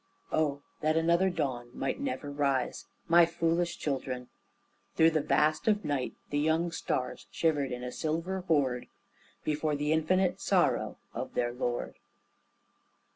Oh, that another dawn might never rise! My foolish children!" Through the vast of night The young stars shivered in a silver horde Before the Infinite Sorrow of their Lord.